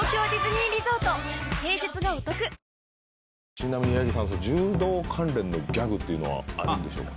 ちなみに八木さん柔道関連のギャグっていうのはあるんでしょうか？